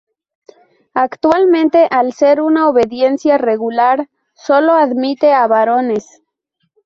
Actualmente, al ser una obediencia regular, sólo admite a varones.